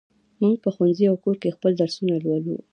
موږ په ښوونځي او کور کې خپل درسونه لولو.